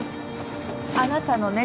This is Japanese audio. あなたの猫？